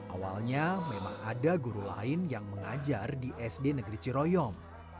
awalnya memang ada guru lain yang mengajar di sd negeri ciroyom